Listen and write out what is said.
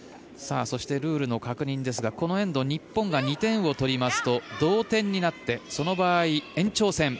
そしてルールの確認ですがこのエンド日本が２点取りますと同点になってその場合、延長戦。